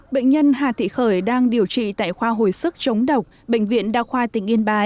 bệnh nhân hà thị khởi đang điều trị tại khoa hồi sức chống độc bệnh viện đa khoa tỉnh yên bái